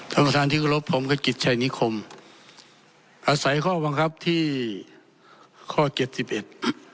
ธรรมศาลทิกลบผมก็กิจชัยนิคมอาศัยข้อบังคับที่ข้อเก็บสิบเอ็ด